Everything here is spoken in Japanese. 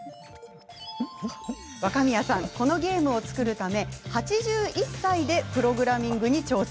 若宮さん、このゲームを作るため８１歳でプログラミングに挑戦。